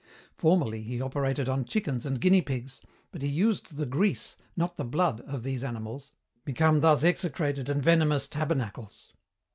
Formerly he operated on chickens and guinea pigs, but he used the grease, not the blood, of these animals, become thus execrated and venomous tabernacles.